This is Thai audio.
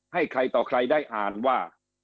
ให้ใครต่อใครได้อ่านว่า